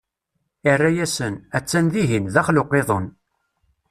Irra-yasen: a-tt-an dihin, daxel n uqiḍun.